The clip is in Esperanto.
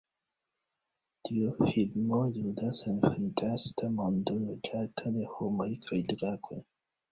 Tiu filmo ludas en fantasta mondo loĝata de homoj kaj drakoj.